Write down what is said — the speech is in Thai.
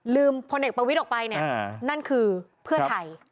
พลเอกประวิทย์ออกไปเนี่ยนั่นคือเพื่อไทย